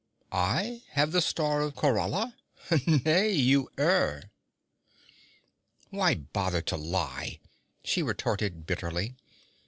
'I have the Star of Khorala? Nay, you err.' 'Why bother to lie?' she retorted bitterly.